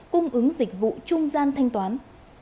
cung ứng dịch vụ trung gian thanh toán